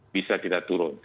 bisa tidak turun